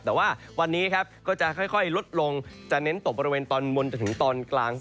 แต่ว่าวันนี้ครับก็จะค่อยลดลงจะเน้นตกบริเวณตอนบนจนถึงตอนกลาง